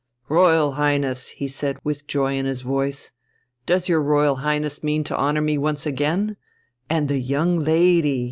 "Royal Highness!" he said, with joy in his voice, "does your Royal Highness mean to honour me once again? And the young lady!"